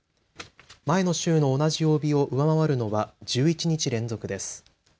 前の週の同じ曜日を上回るのは１１日連続です。